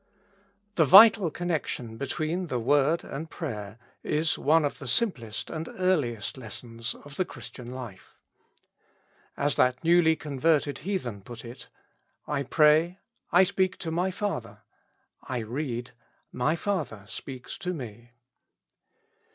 THE vital connection between the word and prayer is one of the simplest and earliest lessons of the Christian life. As that newly converted heathen put it : I pray — I speak to my father ; I read — my Father speaks to me.